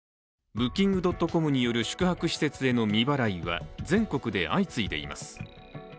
Ｂｏｏｋｉｎｇ．ｃｏｍによる宿泊施設への未払いは全国で相次いでいます。